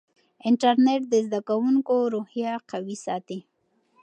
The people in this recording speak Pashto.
انټرنیټ د زده کوونکو روحیه قوي ساتي.